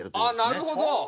あなるほど！